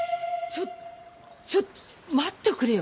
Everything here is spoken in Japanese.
ちょちょ待っとくれよ。